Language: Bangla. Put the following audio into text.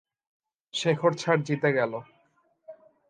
শেখর স্যার জিতে গেল!